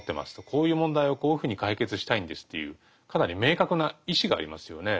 「こういう問題をこういうふうに解決したいんです」というかなり明確な意志がありますよね。